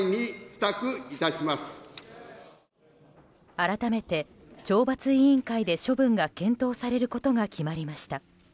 改めて、懲罰委員会で処分が検討されることが決まりました。